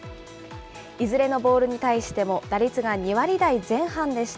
いずれのボールに対しても、打率が２割台前半でした。